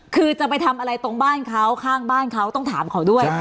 คือจะไปทำอะไรตรงบ้านเขาข้างบ้านเขาต้องถามเขาด้วย